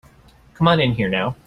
Come on in here now.